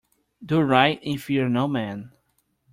Do right and fear no man.